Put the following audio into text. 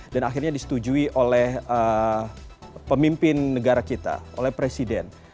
dan akhirnya disetujui oleh pemimpin negara kita oleh presiden